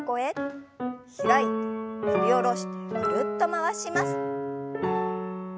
開いて振り下ろしてぐるっと回します。